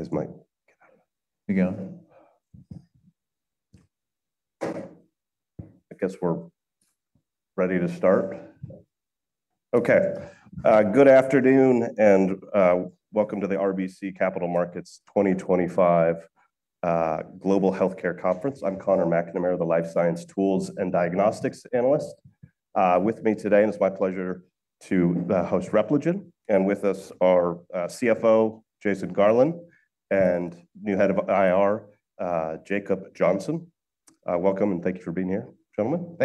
Okay, good afternoon and welcome to the RBC Capital Markets 2025 Global Healthcare Conference. I'm Connor McNamara, the Life Science Tools and Diagnostics Analyst. With me today, and it's my pleasure to host Repligen, and with us are CFO Jason Garland and new Head of IR Jacob Johnson. Welcome and thank you for being here, gentlemen.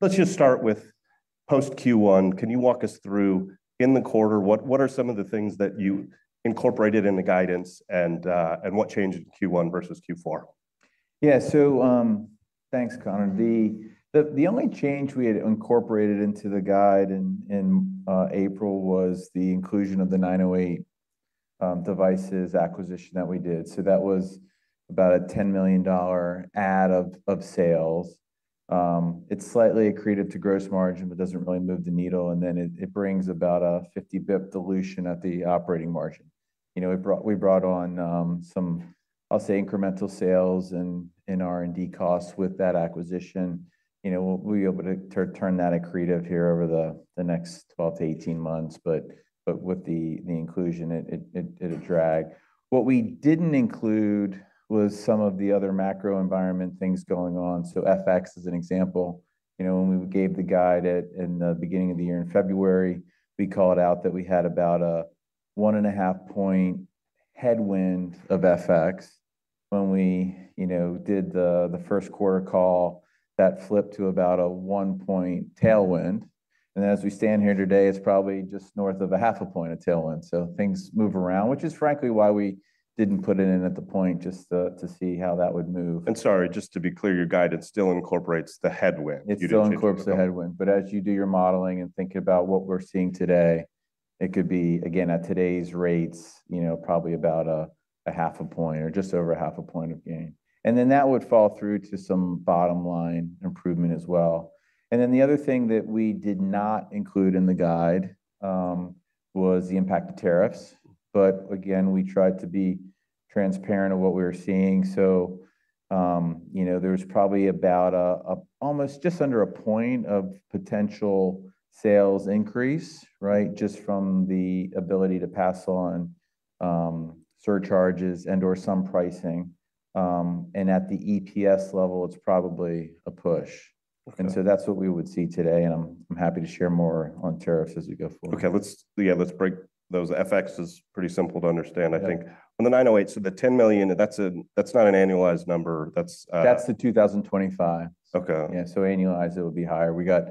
Let's just start with post Q1. Can you walk us through in the quarter, what are some of the things that you incorporated in the guidance and what changed in Q1 versus Q4? Yeah, so thanks, Connor. The only change we had incorporated into the guide in April was the inclusion of the 908 Devices acquisition that we did. So that was about a $10 million add of sales. It's slightly accretive to gross margin, but doesn't really move the needle. It brings about a 50 basis point dilution at the operating margin. We brought on some, I'll say, incremental sales and R&D costs with that acquisition. We'll be able to turn that accretive here over the next 12 to 18 months, but with the inclusion, it'll drag. What we didn't include was some of the other macro environment things going on. FX is an example. When we gave the guide in the beginning of the year in February, we called out that we had about a one and a half point headwind of FX. When we did the first quarter call, that flipped to about a one point tailwind. As we stand here today, it is probably just north of a half a point of tailwind. Things move around, which is frankly why we did not put it in at the point just to see how that would move. Sorry, just to be clear, your guide still incorporates the headwind. It still incorporates the headwind, but as you do your modeling and think about what we're seeing today, it could be, again, at today's rates, probably about half a point or just over half a point of gain. That would fall through to some bottom line improvement as well. The other thing that we did not include in the guide was the impact of tariffs. Again, we tried to be transparent of what we were seeing. There was probably about almost just under a point of potential sales increase, just from the ability to pass on surcharges and/or some pricing. At the EPS level, it's probably a push. That is what we would see today. I'm happy to share more on tariffs as we go forward. Okay, let's break those. FX is pretty simple to understand. On the 908, so the $10 million, that's not an annualized number. That's the 2025. Yeah, so annualized, it would be higher. We got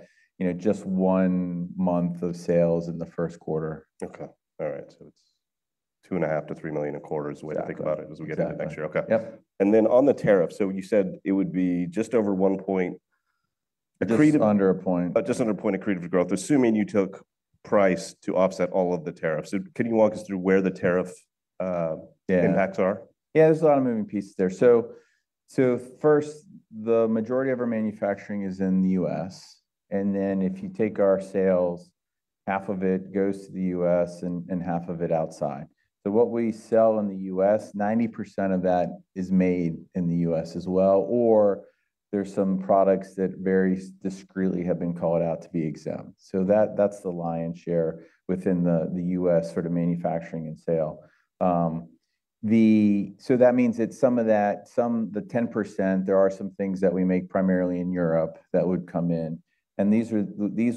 just one month of sales in the first quarter. Okay. It's $2.5 million-$3 million a quarter is the way to think about it as we get into next year. Okay. On the tariff, you said it would be just over one point. Just under a point. Just under a point accretive growth, assuming you took price to offset all of the tariffs. Can you walk us through where the tariff impacts are? Yeah, there's a lot of moving pieces there. First, the majority of our manufacturing is in the U.S. If you take our sales, half of it goes to the U.S. and half of it outside. What we sell in the U.S., 90% of that is made in the U.S. as well. There are some products that very discreetly have been called out to be exempt. That's the lion's share within the U.S. manufacturing and sale. That means some of that, the 10%, there are some things that we make primarily in Europe that would come in. These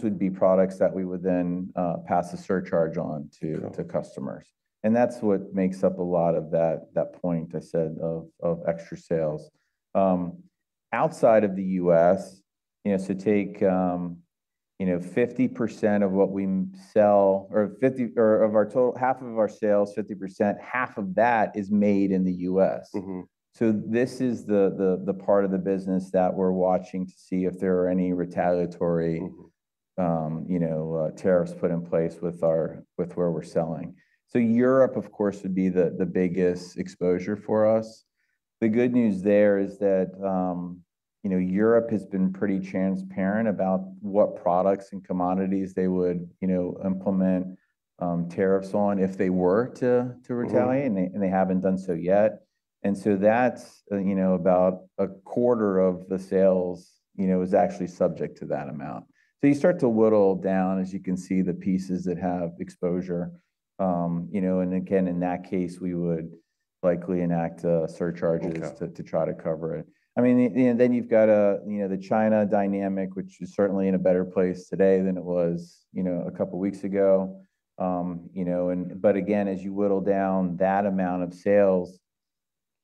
would be products that we would then pass a surcharge on to customers. That's what makes up a lot of that point I said of extra sales. Outside of the U.S., so take 50% of what we sell or half of our sales, 50%, half of that is made in the U.S. This is the part of the business that we're watching to see if there are any retaliatory tariffs put in place with where we're selling. Europe, of course, would be the biggest exposure for us. The good news there is that Europe has been pretty transparent about what products and commodities they would implement tariffs on if they were to retaliate, and they haven't done so yet. That's about a quarter of the sales is actually subject to that amount. You start to whittle down, as you can see, the pieces that have exposure. Again, in that case, we would likely enact surcharges to try to cover it. You've got the China dynamic, which is certainly in a better place today than it was a couple of weeks ago. Again, as you whittle down that amount of sales,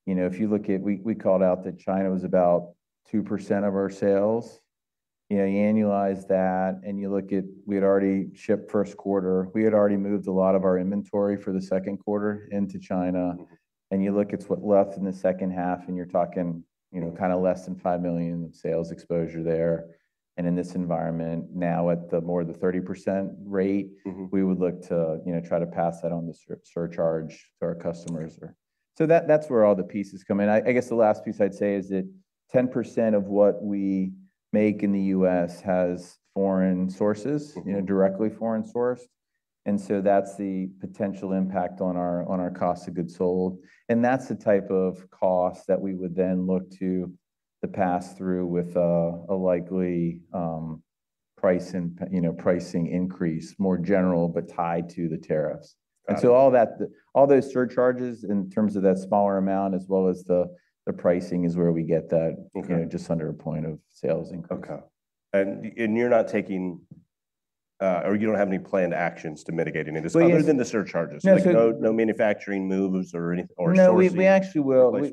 if you look at, we called out that China was about 2% of our sales. You annualize that, and you look at, we had already shipped first quarter, we had already moved a lot of our inventory for the second quarter into China. You look at what is left in the second half, and you're talking kind of less than $5 million sales exposure there. In this environment, now at the more than 30% rate, we would look to try to pass that on, the surcharge, to our customers. That's where all the pieces come in. The last piece I'd say is that 10% of what we make in the U.S. has foreign sources, directly foreign sourced. That's the potential impact on our cost of goods sold. That's the type of cost that we would then look to pass through with a likely pricing increase, more general, but tied to the tariffs. All those surcharges in terms of that smaller amount, as well as the pricing, is where we get that just under a point of sales increase. Okay. You are not taking, or you do not have any planned actions to mitigate any of this other than the surcharges? No manufacturing moves or sourcing? No, we actually will.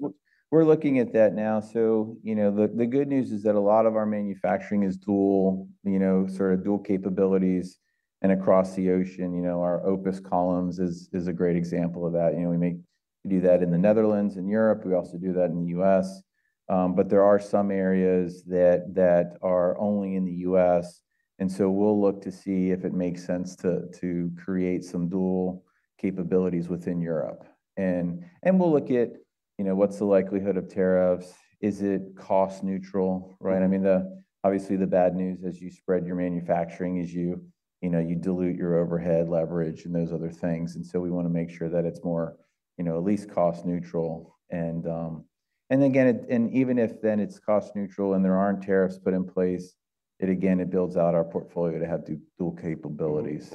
We're looking at that now. The good news is that a lot of our manufacturing is dual, dual capabilities. Across the ocean, our Opus columns is a great example of that. We do that in the Netherlands and Europe. We also do that in the U.S. There are some areas that are only in the U.S. We will look to see if it makes sense to create some dual capabilities within Europe. We will look at what's the likelihood of tariffs. Is it cost neutral? The bad news as you spread your manufacturing is you dilute your overhead leverage and those other things. We want to make sure that it's more at least cost neutral. Even if then it's cost neutral and there aren't tariffs put in place, it again, it builds out our portfolio to have dual capabilities.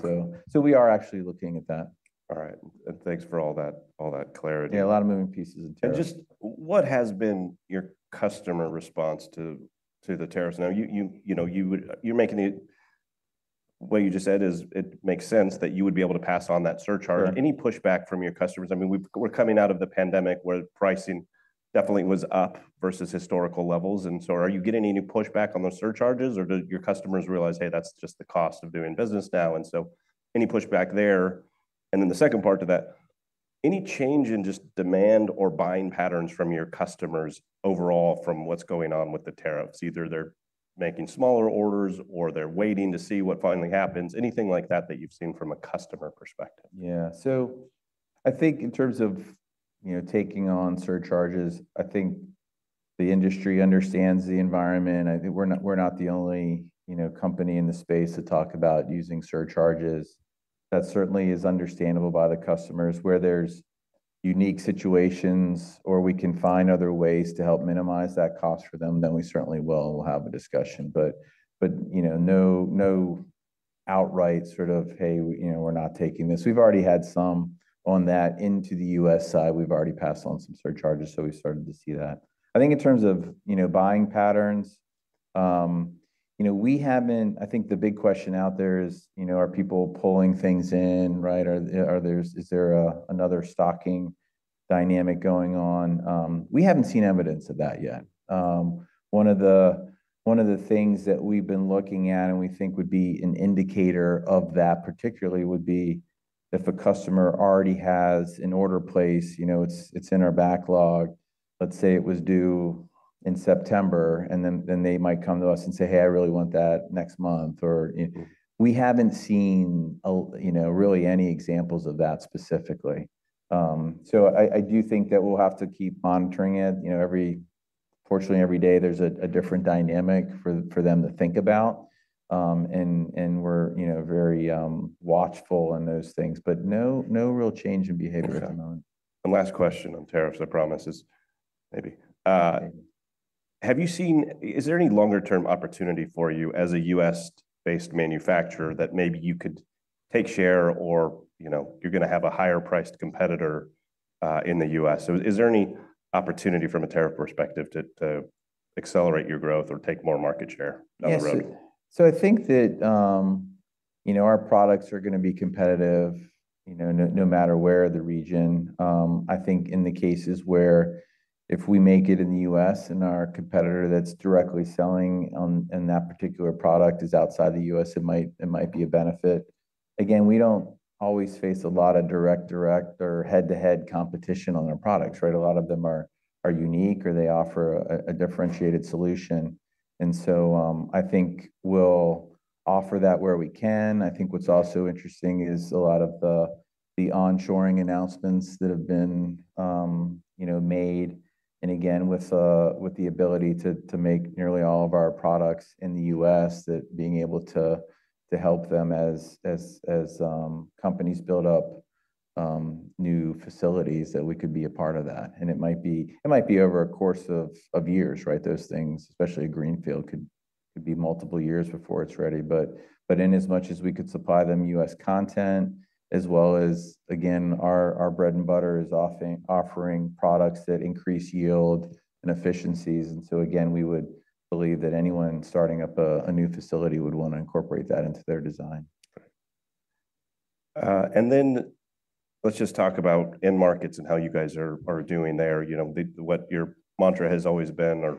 We are actually looking at that. All right. Thanks for all that clarity. Yeah, a lot of moving pieces in tariffs. What has been your customer response to the tariffs? Now, what you just said is it makes sense that you would be able to pass on that surcharge. Any pushback from your customers? We're coming out of the pandemic where pricing definitely was up versus historical levels. Are you getting any pushback on those surcharges or do your customers realize, hey, that's just the cost of doing business now? Any pushback there? The second part to that, any change in just demand or buying patterns from your customers overall from what's going on with the tariffs? Either they're making smaller orders or they're waiting to see what finally happens. Anything like that that you've seen from a customer perspective? Yeah. In terms of taking on surcharges, the industry understands the environment. We're not the only company in the space to talk about using surcharges. That certainly is understandable by the customers. Where there are unique situations or we can find other ways to help minimize that cost for them, we certainly will have a discussion. No outright, hey, we're not taking this. We've already had some on that into the U.S. side. We've already passed on some surcharges. We've started to see that. I think in terms of buying patterns, we haven't, the big question out there is, are people pulling things in? Is there another stocking dynamic going on? We haven't seen evidence of that yet. One of the things that we've been looking at and would be an indicator of that particularly would be if a customer already has an order placed, it's in our backlog. Let's say it was due in September, and then they might come to us and say, hey, I really want that next month. We haven't seen really any examples of that specifically. We'll have to keep monitoring it. Fortunately, every day there's a different dynamic for them to think about. We're very watchful on those things. No real change in behavior at the moment. Last question on tariffs, I promise, is maybe. Have you seen, is there any longer-term opportunity for you as a U.S.-based manufacturer that maybe you could take share or you're going to have a higher-priced competitor in the U.S.? Is there any opportunity from a tariff perspective to accelerate your growth or take more market share? Yes. Our products are going to be competitive no matter where in the region. In the cases where if we make it in the U.S. and our competitor that's directly selling in that particular product is outside the U.S., it might be a benefit. Again, we don't always face a lot of direct or head-to-head competition on our products. A lot of them are unique or they offer a differentiated solution. We'll offer that where we can. What's also interesting is a lot of the onshoring announcements that have been made. Again, with the ability to make nearly all of our products in the U.S., that being able to help them as companies build up new facilities that we could be a part of that. It might be over a course of years, those things, especially a greenfield, could be multiple years before it's ready. In as much as we could supply them U.S. content, as well as, again, our bread and butter is offering products that increase yield and efficiencies. Again, we would believe that anyone starting up a new facility would want to incorporate that into their design. Let us just talk about end markets and how you guys are doing there. What your mantra has always been or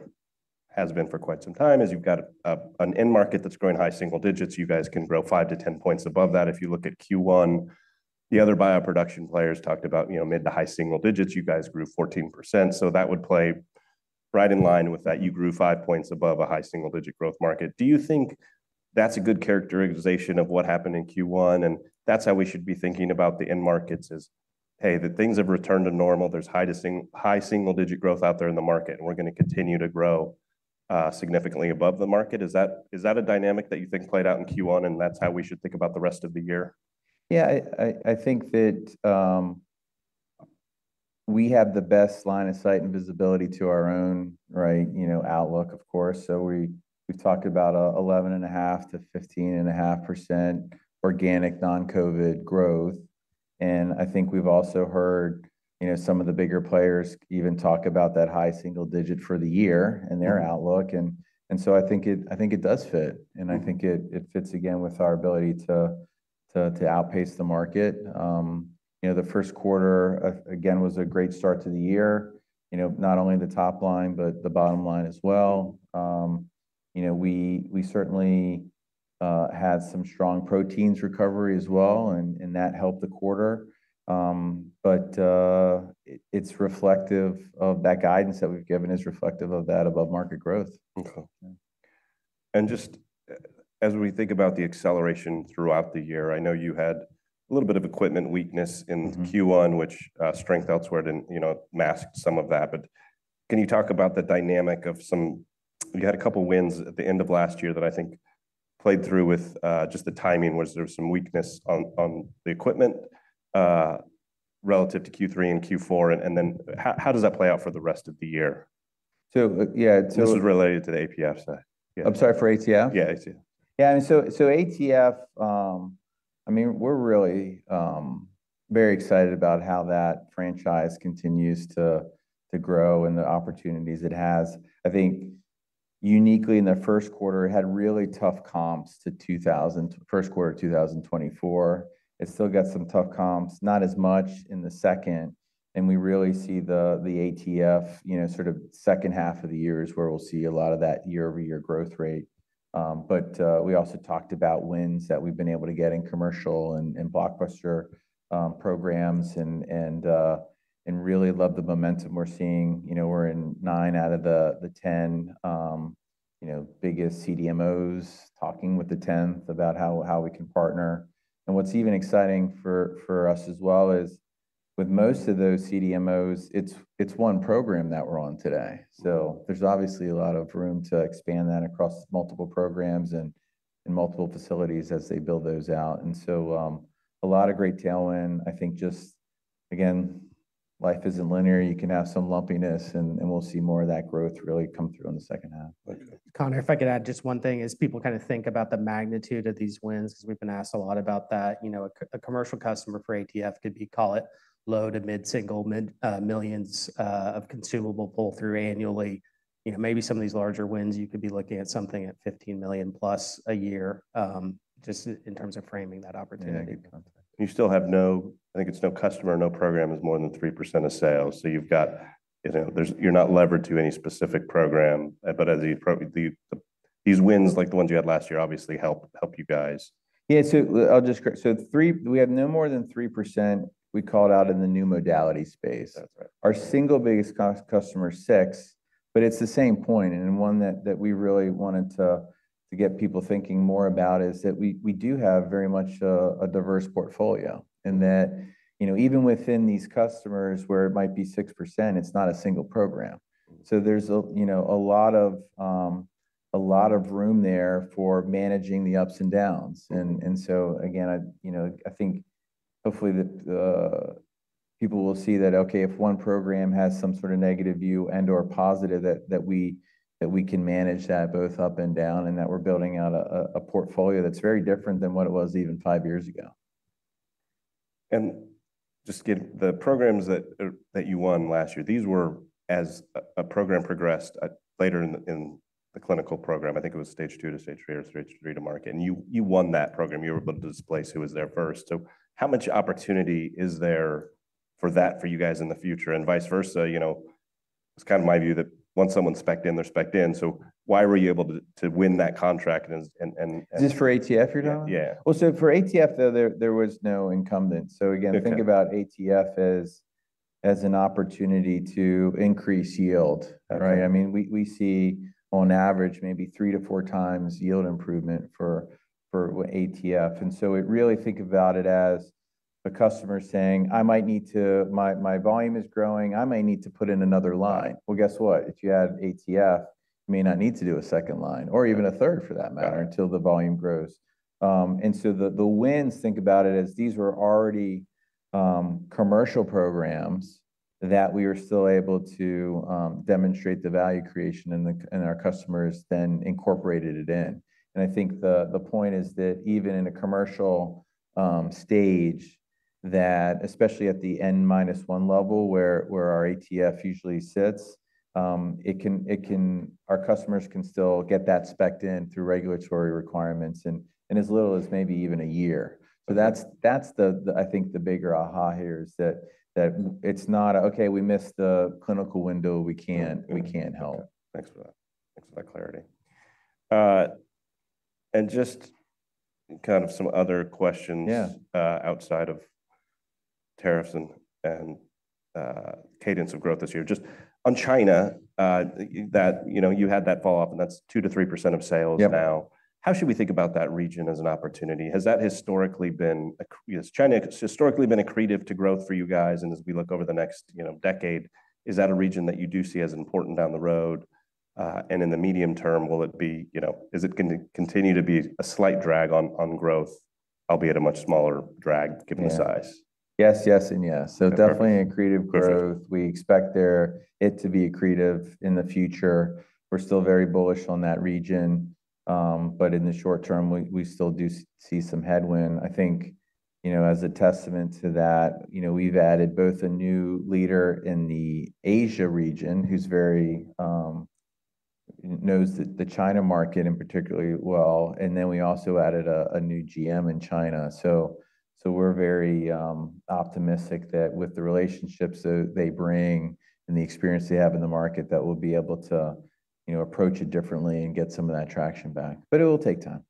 has been for quite some time is you have got an end market that is growing high single digits. You guys can grow 5-10 points above that. If you look at Q1, the other bio production players talked about mid to high single digits. You guys grew 14%. That would play right in line with that. You grew 5 points above a high single digit growth market. Do you think that is a good characterization of what happened in Q1? That is how we should be thinking about the end markets, is, hey, things have returned to normal. There is high single digit growth out there in the market, and we are going to continue to grow significantly above the market. Is that a dynamic that played out in Q1, and that's how we should think about the rest of the year? Yeah, we have the best line of sight and visibility to our own outlook. We've talked about 11.5%-15.5% organic non-COVID growth. And we've also heard some of the bigger players even talk about that high single digit for the year and their outlook. It does fit. It fits again with our ability to outpace the market. The first quarter, again, was a great start to the year. Not only the top line, but the bottom line as well. We certainly had some strong proteins recovery as well, and that helped the quarter. It is reflective of that guidance that we've given, is reflective of that above market growth. Okay. As we think about the acceleration throughout the year, I know you had a little bit of equipment weakness in Q1, which strength elsewhere masked some of that. Can you talk about the dynamic of some—you had a couple of wins at the end of last year that played through with just the timing—there was some weakness on the equipment relative to Q3 and Q4. How does that play out for the rest of the year? This is related to the ATF side. I'm sorry, for ATF? Yeah, ATF. Yeah. So ATF, we're really very excited about how that franchise continues to grow and the opportunities it has. Uniquely in the first quarter, it had really tough comps to the first quarter of 2024. It still got some tough comps, not as much in the second. We really see the ATF second half of the year is where we'll see a lot of that year-over-year growth rate. We also talked about wins that we've been able to get in commercial and blockbuster programs and really love the momentum we're seeing. We're in nine out of the 10 biggest CDMOs talking with the 10th about how we can partner. What's even exciting for us as well is with most of those CDMOs, it's one program that we're on today. There is obviously a lot of room to expand that across multiple programs and multiple facilities as they build those out. A lot of great tailwind. Just, again, life is not linear. You can have some lumpiness, and we will see more of that growth really come through in the second half. Connor, if I could add just one thing is people kind of think about the magnitude of these wins because we've been asked a lot about that. A commercial customer for ATF could be, call it, low to mid-single millions of consumable pull-through annually. Maybe some of these larger wins, you could be looking at something at $15 million plus a year just in terms of framing that opportunity. You still have no, it's no customer, no program is more than 3% of sales. You are not levered to any specific program. These wins, like the ones you had last year, obviously help you guys. Yeah. I'll just correct. We have no more than 3% we called out in the new modality space. Our single biggest customer, six, but it's the same point. One that we really wanted to get people thinking more about is that we do have very much a diverse portfolio and that even within these customers where it might be 6%, it's not a single program. There's a lot of room there for managing the ups and downs. Again, hopefully people will see that, okay, if one program has some sort of negative view and/or positive, we can manage that both up and down and we're building out a portfolio that's very different than what it was even five years ago. Just the programs that you won last year, these were as a program progressed later in the clinical program. It was stage two to stage three or stage three to market. You won that program. You were able to displace who was there first. How much opportunity is there for that for you guys in the future and vice versa? It's my view that once someone's specced in, they're specced in. Why were you able to win that contract? Just for ATF, you're talking? For ATF, there was no incumbent. Again, think about ATF as an opportunity to increase yield. We see on average maybe three to four times yield improvement for ATF. Really think about it as a customer saying, "I might need to, my volume is growing. I might need to put in another line." Guess what? If you had ATF, you may not need to do a second line or even a third for that matter until the volume grows. The wins, think about it as these were already commercial programs that we were still able to demonstrate the value creation and our customers then incorporated it in. The point is that even in a commercial stage, especially at the N minus one level where our ATF usually sits, our customers can still get that specced in through regulatory requirements in as little as maybe even a year. The bigger aha here is that it's not, okay, we missed the clinical window. We can't help. Thanks for that. Thanks for that clarity. Just some other questions outside of tariffs and cadence of growth this year. Just on China, you had that fall off and that is 2-3% of sales now. How should we think about that region as an opportunity? Has that historically been a, has China historically been accretive to growth for you guys? As we look over the next decade, is that a region that you do see as important down the road? In the medium term, will it be, is it going to continue to be a slight drag on growth, albeit a much smaller drag given the size? Yes. Definitely accretive growth. We expect it to be accretive in the future. We're still very bullish on that region. In the short term, we still do see some headwind. As a testament to that, we've added both a new leader in the Asia region who knows the China market particularly well. We also added a new GM in China. We're very optimistic that with the relationships they bring and the experience they have in the market, we'll be able to approach it differently and get some of that traction back. It will take time.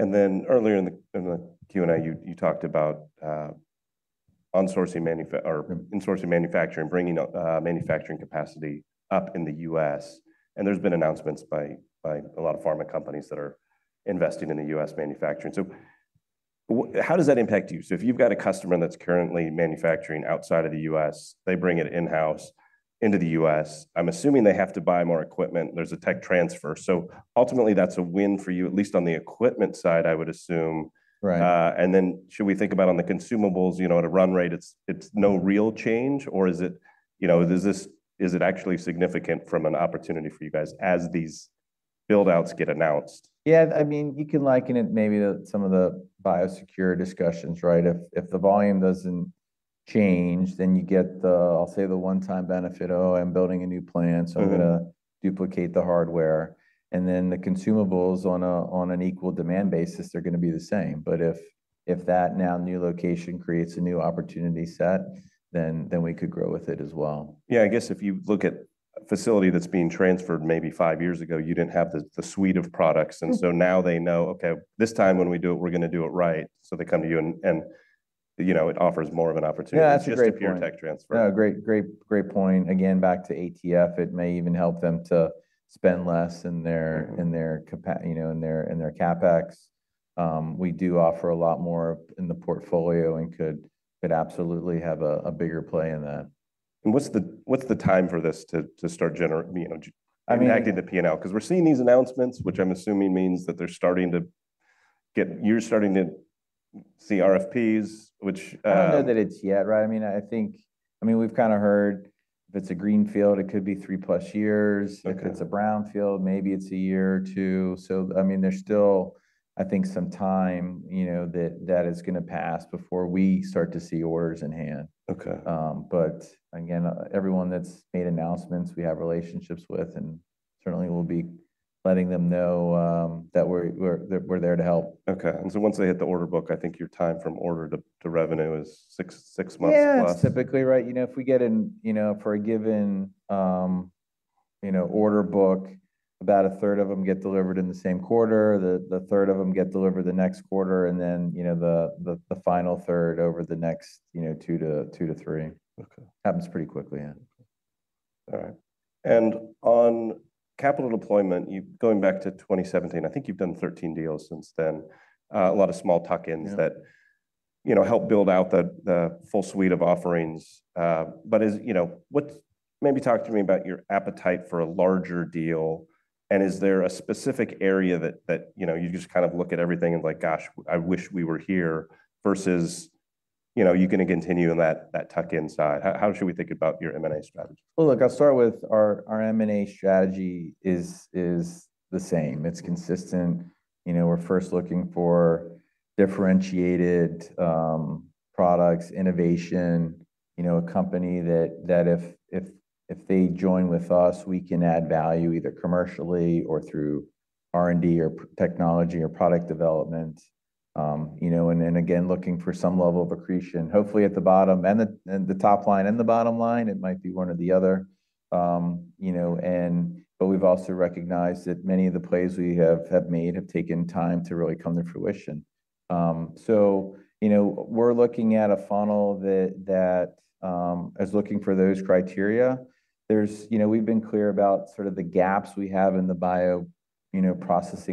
Earlier in the Q&A, you talked about on-sourcing or insourcing manufacturing, bringing manufacturing capacity up in the U.S. There have been announcements by a lot of pharma companies that are investing in U.S. manufacturing. How does that impact you? If you've got a customer that's currently manufacturing outside of the U.S., they bring it in-house into the U.S., I'm assuming they have to buy more equipment. There's a tech transfer. Ultimately, that's a win for you, at least on the equipment side, I would assume. Should we think about on the consumables, at a run rate, it's no real change, or is it actually significant from an opportunity for you guys as these buildouts get announced? Yeah. You can liken it maybe to some of the bio-secure discussions, right? If the volume doesn't change, then you get the, I'll say the one-time benefit, "Oh, I'm building a new plant. I'm going to duplicate the hardware." The consumables on an equal demand basis, they're going to be the same. If that now new location creates a new opportunity set, then we could grow with it as well. Yeah. If you look at a facility that's being transferred maybe five years ago, you didn't have the suite of products. Now they know, "Okay, this time when we do it, we're going to do it right." They come to you and it offers more of an opportunity. It's just a pure tech transfer. That's just great. Great point. Again, back to ATF, it may even help them to spend less in their CapEx. We do offer a lot more in the portfolio and could absolutely have a bigger play in that. What's the time for this to start impacting the P&L? We're seeing these announcements, which I'm assuming means that they're starting to get, you're starting to see RFPs, which. I don't know that it's yet, right? We've heard if it's a greenfield, it could be three plus years. If it's a brownfield, maybe it's a year or two. There's still some time that is going to pass before we start to see orders in hand. Again, everyone that's made announcements, we have relationships with, and certainly we'll be letting them know that we're there to help. Okay. Once they hit the order book, your time from order to revenue is six months plus. Yeah, typically, right? If we get in for a given order book, about a third of them get delivered in the same quarter. A third of them get delivered the next quarter, and then the final third over the next two to three. Happens pretty quickly, yeah. All right. On capital deployment, going back to 2017, you've done 13 deals since then, a lot of small tuck-ins that help build out the full suite of offerings. Maybe talk to me about your appetite for a larger deal. Is there a specific area that you just kind of look at everything and like, "Gosh, I wish we were here," versus you're going to continue in that tuck-in side? How should we think about your M&A strategy? I'll start with our M&A strategy is the same. It's consistent. We're first looking for differentiated products, innovation, a company that if they join with us, we can add value either commercially or through R&D or technology or product development. Again, looking for some level of accretion, hopefully at the top line and the bottom line, it might be one or the other. We've also recognized that many of the plays we have made have taken time to really come to fruition. We're looking at a funnel that is looking for those criteria. We've been clear about the gaps we have in the bioprocessing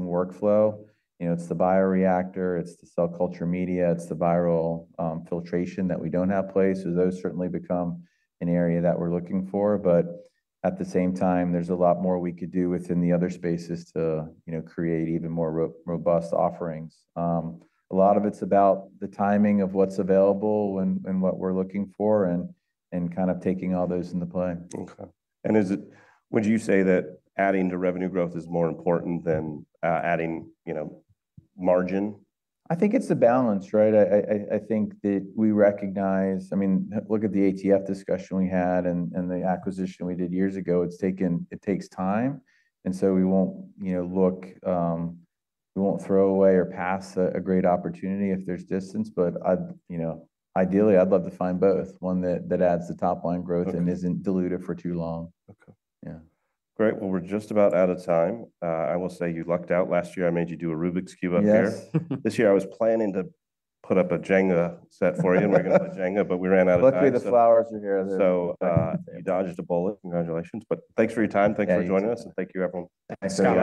workflow. It's the bioreactor. It's the cell culture media. It's the viral filtration that we don't have place. Those certainly become an area that we're looking for. At the same time, there's a lot more we could do within the other spaces to create even more robust offerings. A lot of it's about the timing of what's available and what we're looking for and kind of taking all those into play. Okay. Would you say that adding to revenue growth is more important than adding margin? It's a balance, right? That we recognize, look at the ATF discussion we had and the acquisition we did years ago. It takes time. We won't look, we won't throw away or pass a great opportunity if there's distance. Ideally, I'd love to find both, one that adds to top line growth and isn't diluted for too long. Okay. Great. We're just about out of time. I will say you lucked out. Last year, I made you do a Rubik's Cube up here. This year, I was planning to put up a Jenga set for you. We're going to have a Jenga, but we ran out of time. Luckily, the flowers are here. You dodged a bullet. Congratulations. Thanks for your time. Thanks for joining us. Thank you, everyone. Thanks.